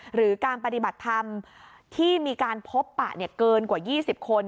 หรือการปฏิบัติธรรมที่มีการพบปะเกินกว่า๒๐คน